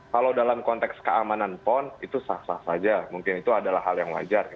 kalau dalam konteks keamanan pon itu sah sah saja mungkin itu adalah hal yang wajar